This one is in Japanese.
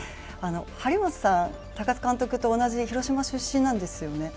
張本さん、高津監督と同じ広島出身なんですよね？